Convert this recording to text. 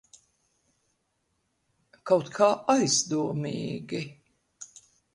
Kaut kā aizdomīgi.